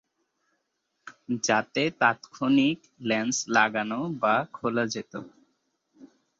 যাতে তাৎক্ষণিক ল্যান্স লাগানো বা খোলা যেত।